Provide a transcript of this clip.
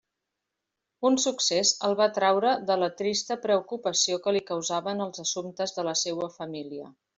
Un succés el va traure de la trista preocupació que li causaven els assumptes de la seua família.